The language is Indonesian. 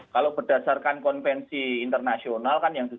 kalau berdasarkan konvensi internasional kan ini berarti